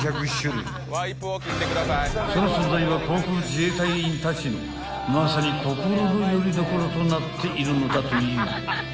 ［その存在は航空自衛隊員たちのまさに心のよりどころとなっているのだという］